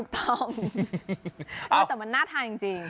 ถูกต้องแต่มันน่าทานจริง